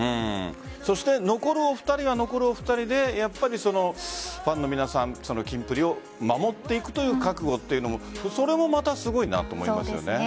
そして残るお二人は残るお二人でファンの皆さんキンプリを守っていくという覚悟というのもそれもまたすごいなと思いますよね。